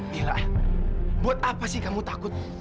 bila buat apa sih kamu takut